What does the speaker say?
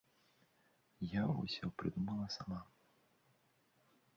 Я ўсё прыдумала сама.